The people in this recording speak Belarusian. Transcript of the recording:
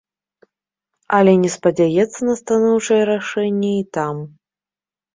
Але не спадзяецца на станоўчае рашэнне і там.